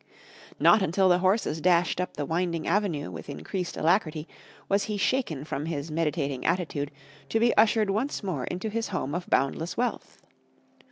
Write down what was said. Not until the horses dashed up the winding avenue with increased alacrity was he shaken from his meditating attitude, to be ushered once more into his home of boundless wealth.